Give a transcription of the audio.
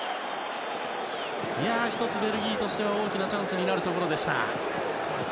１つベルギーとしては大きなチャンスになるところでした。